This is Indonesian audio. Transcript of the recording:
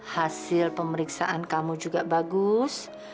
hasil pemeriksaan kamu juga bagus